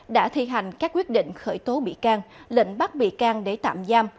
đã thi hành các quyết định khởi tố bị can lệnh bắt bị can để tạm giam